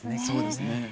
そうですね。